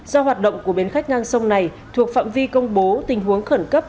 do hoạt động của bến khách ngang sông này thuộc phạm vi công bố tình huống khẩn cấp